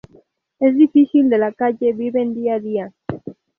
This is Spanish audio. Es difícil de la calle viven día a día.